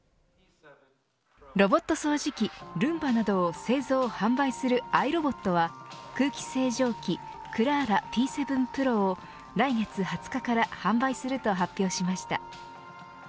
ロボット掃除機ルンバなどを製造、販売するアイロボットは空気清浄機Ｋｌａａｒａｐ７Ｐｒｏを来月２０日から販売すると発表しました。